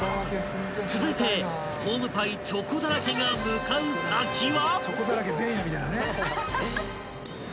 ［続いてホームパイチョコだらけが向かう先は］